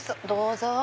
どうぞ。